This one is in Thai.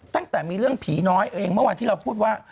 ตั้งแต่มีเรื่องผีน้อยเองเมื่อวานที่เราพูดว่า